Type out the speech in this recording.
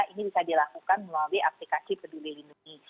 ini bisa dilakukan melalui aplikasi peduli lindungi